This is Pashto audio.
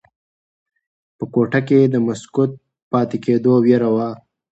په کوټه کې د مسکوت پاتې کېدو ویره وه.